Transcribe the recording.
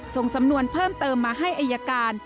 ส่งสำนวนเพิ่มเติมมาให้อายการ